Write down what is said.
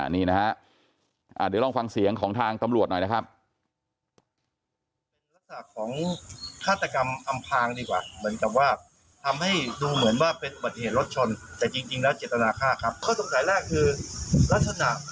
นี่นะฮะเดี๋ยวลองฟังเสียงของทางตำรวจหน่อยนะครับ